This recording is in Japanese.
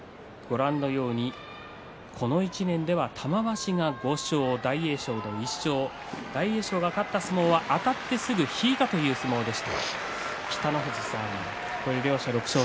この１年では玉鷲５勝大栄翔は１勝大栄翔が勝った一番は、あたってすぐに引いた一番でした。